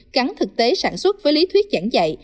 gắn thực tế sản xuất với lý thuyết giảng dạy